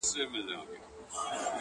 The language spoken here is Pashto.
يو دی چي يې ستا په نوم آغاز دی’